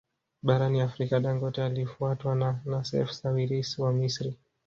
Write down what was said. Barani Afrika Dangote alifuatwa na Nassef Sawiris wa Misri